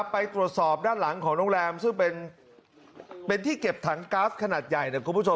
ไปตรวจสอบด้านหลังของโรงแรมซึ่งเป็นที่เก็บถังก๊าซขนาดใหญ่คุณผู้ชม